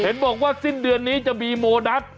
เห็นบอกว่าสิ้นเดือนนี้จะมีโมนัส